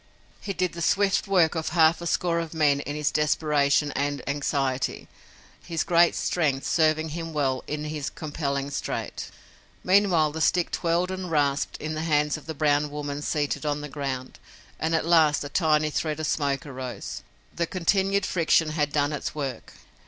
He did the swift work of half a score of men in his desperation and anxiety, his great strength serving him well in his compelling strait. Meanwhile the stick twirled and rasped in the hands of the brown woman seated on the ground, and at last a tiny thread of smoke arose. The continued friction had done its work.